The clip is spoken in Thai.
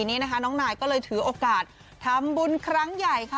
นี่นะคะน้องนายก็เลยถือโอกาสทำบุญครั้งใหญ่ค่ะ